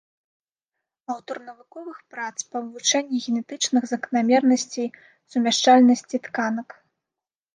Аўтар навуковых прац па вывучэнні генетычных заканамернасцей сумяшчальнасці тканак.